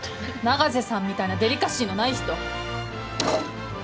永瀬さんみたいなデリカシーのない人大っ嫌いです！